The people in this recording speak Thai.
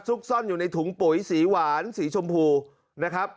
ซ่อนอยู่ในถุงปุ๋ยสีหวานสีชมพูนะครับ